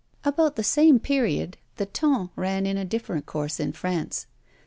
About the same period the ton ran in a different course in France.